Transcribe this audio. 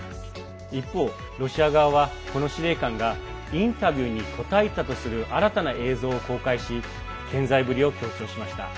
一方、ロシア側はこの司令官がインタビューに答えたとする新たな映像を公開し健在ぶりを強調しました。